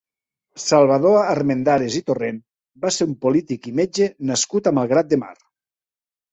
Salvador Armendares i Torrent va ser un polític i metge nascut a Malgrat de Mar.